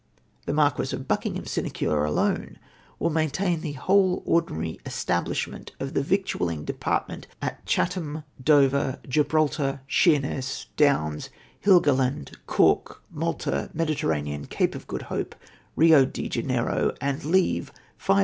The Marquis of BuckingharrCs sinecure alone w ill maintain the ivhole ordi nary establishment of the victucdling department at Chat ham, Dover, Gibrcdtar, Sheerness, Dcnvns, Heligoland, Cork, Media, Mediterranean, Cape of Good Hope, Rio de Janeiro, and leave 5460